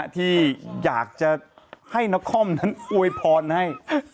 ที่อยากจะให้นครนั้นอวยพรให้